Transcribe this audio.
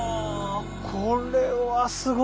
これはすごい！